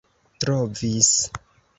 trovis